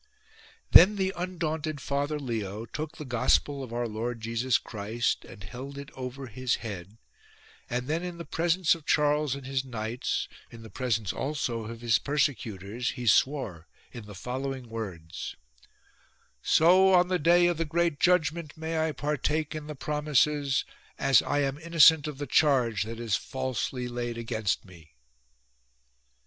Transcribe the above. Then the undaunted Father Leo took the gospel of our Lord Jesus Christ and held it over his 89 THE APPEAL TO ST PANCRAS head, and then in the presence of Charles and his knights, in presence also of his persecutors, he swore in the following words :—" So on the day of the great judgment may I partake in the promises, as I am innocent of the charge that is falsely laid against me."